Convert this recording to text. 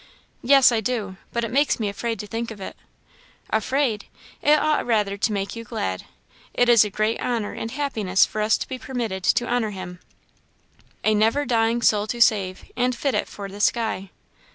"Yes, I do; but it makes me afraid to think of it." "Afraid! It ought rather to make you glad. It is a great honour and happiness for us to be permitted to honour Him 'A never dying soul to save And fit it for the sky.'